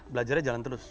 belajarnya jalan terus